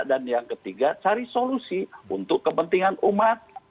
dan yang ketiga cari solusi untuk kepentingan umat